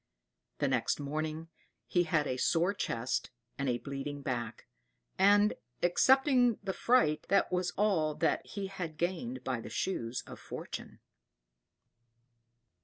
The next morning he had a sore chest and a bleeding back; and, excepting the fright, that was all that he had gained by the Shoes of Fortune.